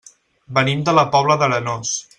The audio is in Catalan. Venim de la Pobla d'Arenós.